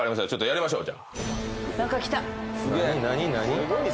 やりましょう。